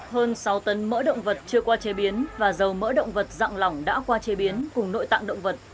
hơn sáu tấn mỡ động vật chưa qua chế biến và dầu mỡ động vật dặn lỏng đã qua chế biến cùng nội tạng động vật